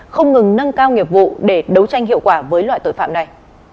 không ngừng nâng cao nghiệp vụ để đấu tranh hiệu quả với loại tội phạm này